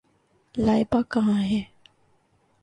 لائبہ کہاں ہے؟